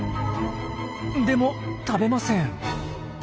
でも食べません。